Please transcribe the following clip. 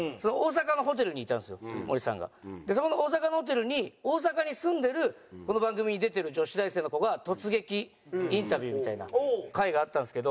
でそこの大阪のホテルに大阪に住んでるこの番組に出てる女子大生の子が突撃インタビューみたいな回があったんですけど。